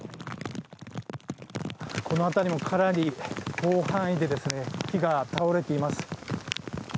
この辺りもかなり広範囲で木が倒れています。